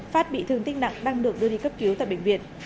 phát bị thương tích nặng đang được đưa đi cấp cứu tại bệnh viện